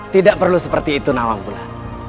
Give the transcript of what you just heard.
tidak perlu seperti itu nawang pula